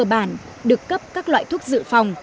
cơ bản được cấp các loại thuốc dự phòng